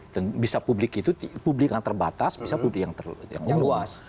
dan bisa publik itu publik yang terbatas bisa publik yang luas